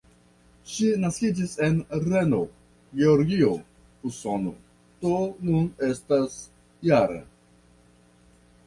Ŝi naskiĝis en Reno, Georgio, Usono, do nun estas -jara.